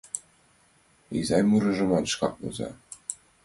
Изай мурыжымат шкак воза...